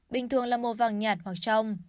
bình thường là màu vàng nhạt hoặc trong